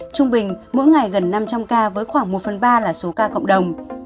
trung bình mỗi ngày gần năm trăm linh ca với khoảng một phần ba là số ca cộng đồng